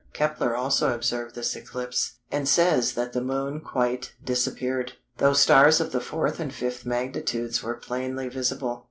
Kepler also observed this eclipse, and says that the Moon quite disappeared, though stars of the 4th and 5th magnitudes were plainly visible.